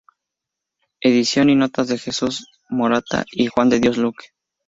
Edición y notas de Jesús M. Morata y Juan de Dios Luque.